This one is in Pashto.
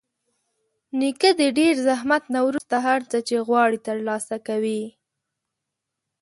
نیکه د ډېر زحمت نه وروسته هر څه چې غواړي ترلاسه کوي.